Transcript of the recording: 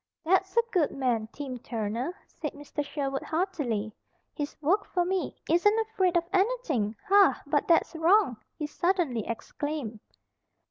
"That's a good man, Tim Turner," said Mr. Sherwood, heartily. "He's worked for me, isn't afraid of anything, Ha! But that's wrong!" he suddenly exclaimed.